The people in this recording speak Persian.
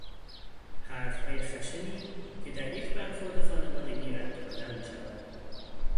حرفهای خشنی که در یک برخورد خانوادگی رد و بدل میشود